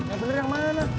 yang bener yang mana